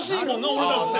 俺だって。